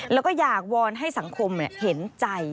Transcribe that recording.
แล้วก็อยากวอนให้สังคมเห็นใจ